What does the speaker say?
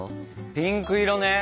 ピンク色ね。